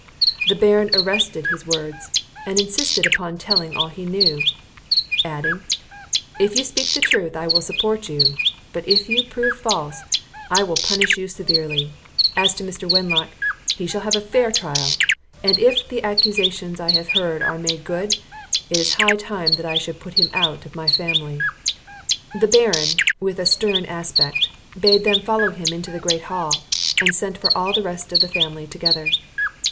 The Baron arrested his words, and insisted upon his telling all he knew; adding, "If you speak the truth, I will support you; but if you prove false, I will punish you severely. As to Mr. Wenlock, he shall have a fair trial; and, if all the accusations I have heard are made good, it is high time that I should put him out of my family." The Baron, with a stern aspect, bade them follow him into the great hall; and sent for all the rest of the family together.